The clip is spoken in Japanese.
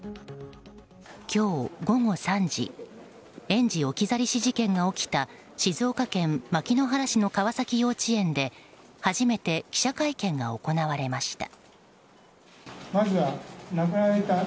今日午後３時園児置き去り死事件が起きた静岡県牧之原市の川崎幼稚園で初めて記者会見が行われました。